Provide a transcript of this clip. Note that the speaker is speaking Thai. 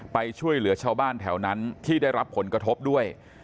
ไปช่วยเหลือชาวบ้านแถวนั้นที่ได้รับผลกระทบด้วย